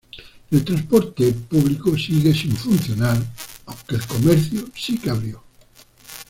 El transporte público sigue sin funcionar aunque el comercio si que abrió.